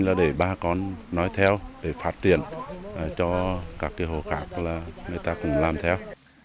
là để bà con nói theo để phát triển cho các hồ khác là người ta cùng làm theo